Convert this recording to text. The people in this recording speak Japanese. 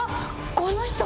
この人。